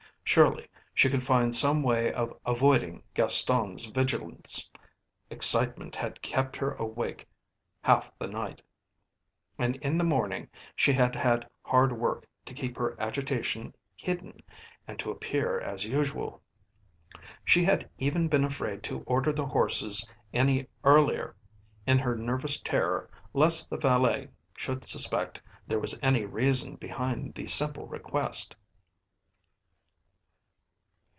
Surely she could find some way of avoiding Gaston's vigilance. Excitement had kept her awake half the night, and in the morning she had had hard work to keep her agitation hidden and to appear as usual. She had even been afraid to order the horses any earlier in her nervous terror lest the valet should suspect there was any reason behind the simple request.